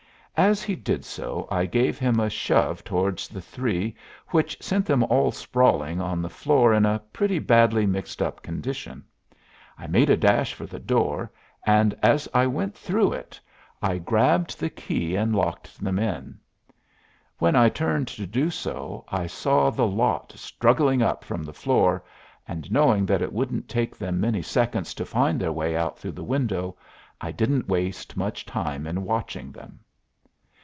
As he did so I gave him a shove towards the three which sent them all sprawling on the floor in a pretty badly mixed up condition. I made a dash for the door, and as I went through it I grabbed the key and locked them in. When I turned to do so I saw the lot struggling up from the floor, and, knowing that it wouldn't take them many seconds to find their way out through the window, I didn't waste much time in watching them.